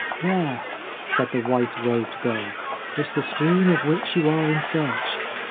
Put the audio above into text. < There,' said the white robed girl, ' is the stream of which you are in search.